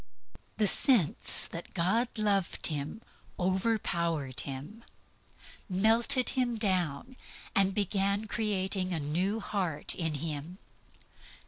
The sense that God loved him overpowered him, melted him down, and began the creating of a new heart in him.